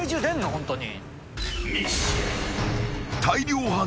ホントに。